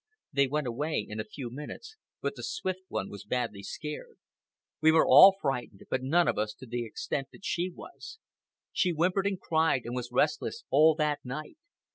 They went away in a few minutes, but the Swift One was badly scared. We were all frightened, but none of us to the extent that she was. She whimpered and cried and was restless all that night.